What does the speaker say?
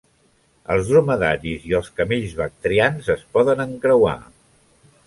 Els dromedaris i els camells bactrians es poden encreuar.